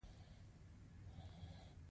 خو پلان نشته.